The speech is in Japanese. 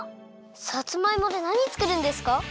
さつまいもでなにつくるんですか？